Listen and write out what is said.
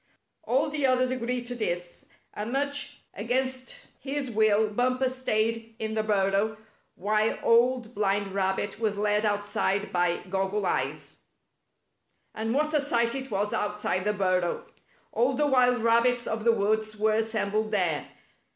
All the others agreed to this, and much against The Rabbits Rise Against Bumper 81 his will Bumper stayed in the burrow, while Old Blind Rabbit was led outside by Gk)ggle Eyes. And what a sight it was outside the burrow! All the wild rabbits of the woods were assembled there.